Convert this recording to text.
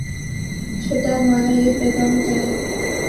چھٹا مألہ یہ پیدا ہوتا ہے